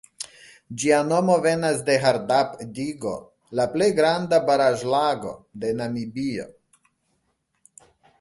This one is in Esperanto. Ĝia nomo venas de Hardap-digo, la plej granda baraĵlago de Namibio.